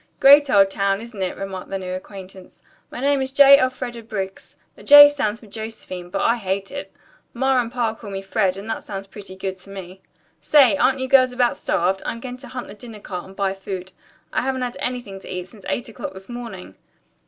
"Great old town, isn't it?" remarked their new acquaintance. "My name is J. Elfreda Briggs. The J. stands for Josephine, but I hate it. Ma and Pa call me Fred, and that sounds pretty good to me. Say, aren't you girls about starved? I'm going to hunt the dining car and buy food. I haven't had anything to eat since eight o'clock this morning."